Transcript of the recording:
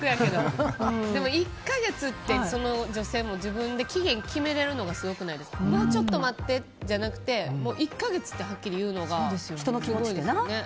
でも、１か月ってその女性も自分で期限を決めれるのがもうちょっと待ってじゃなくて１か月ってはっきり言うのがすごいですよね。